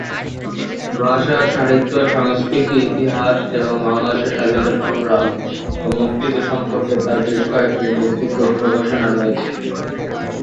ভাষা, সাহিত্য, সংস্কৃতি, ইতিহাস এবং বাংলাদেশের স্বাধীনতা সংগ্রাম ও মুক্তিযুদ্ধ সম্পর্কে তার বেশ কয়েকটি উল্লেখযোগ্য প্রকাশনা রয়েছে।